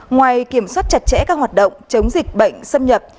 ngoài kiểm soát chặt chẽ các hoạt động chống dịch bệnh xâm nhập